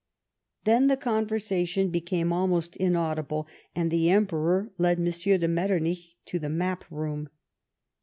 Then the conversation became almost inaudible, and the Emperor led M. de Metternich to the map room.